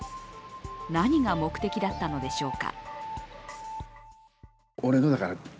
何が目的だったのでしょうか。